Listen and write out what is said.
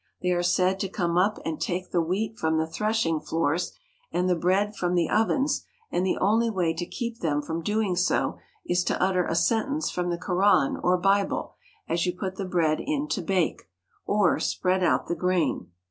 They are said to come up and take the wheat from the threshing floors and the bread from the ovens, and the only way to keep them from doing so is to utter a sentence from the Koran or Bible as you put the bread in to bake, or spread out the grain.